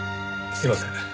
すいません。